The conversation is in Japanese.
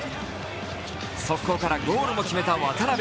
速攻からゴールも決めた渡邊。